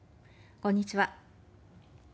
こんにちは。